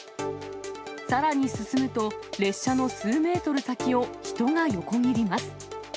さらに進むと、列車の数メートル先を人が横切ります。